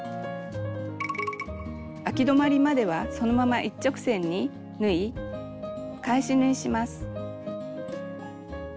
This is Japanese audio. あき止まりまではそのまま一直線に縫い返し縫いします。